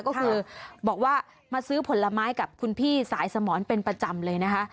ก็คือบอกว่ามาซื้อผลไม้กับคุณพี่สายสมรเป็นประจำเลยนะคะ